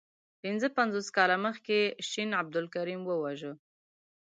پنځه پنځوس کاله مخکي شین عبدالکریم وواژه.